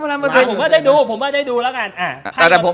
ผมว่าได้ดูผมว่าได้ดูแล้วกัน